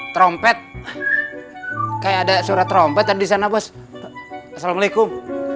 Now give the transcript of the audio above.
trompet kayak ada surat trompet dan di sana bos assalamualaikum